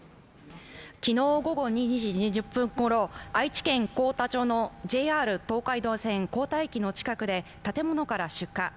昨日午後２時２０分ごろ愛知県幸田町のＪＲ東海道線・幸田駅の近くで建物から出火。